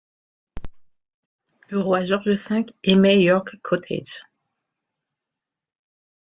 Le roi George V aimait York Cottage.